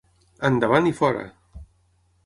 Endavant i fora!